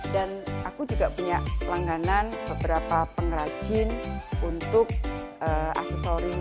dan aku juga punya langganan beberapa pengrajin untuk aksesori